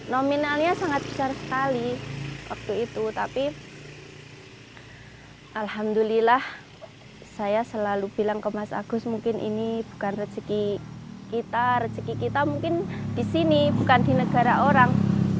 nominalnya sangat besar sekali waktu itu tapi alhamdulillah saya selalu bilang ke mas agus mungkin ini bukan rezeki kita rezeki kita mungkin di sini bukan di negara orang